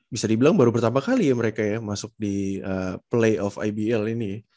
bisa dibilang baru pertama kali ya mereka ya masuk di play of ibl ini